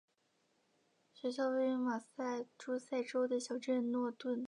学校位于马萨诸塞州的小镇诺顿。